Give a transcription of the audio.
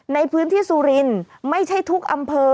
ในพื้นที่สุรินทร์ไม่ใช่ทุกอำเภอ